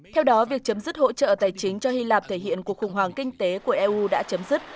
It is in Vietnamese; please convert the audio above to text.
theo đó việc chấm dứt hỗ trợ tài chính cho hy lạp thể hiện cuộc khủng hoảng kinh tế của eu đã chấm dứt